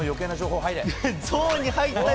ゾーンに入った。